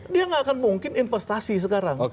dia nggak akan mungkin investasi sekarang